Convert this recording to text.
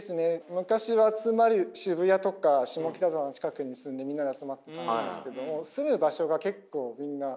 昔は集まり渋谷とか下北沢の近くに住んでみんなで集まってたんですけども住む場所が結構みんな離れていって。